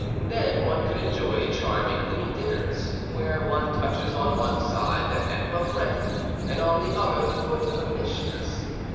Then one could enjoy charming little dinners, where one touches on one side the hand of a friend, and on the other the foot of a mistress.